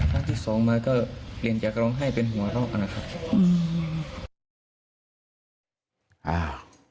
พระที่สองมาก็เปลี่ยนจะร้องให้เป็นหัวรอกกัน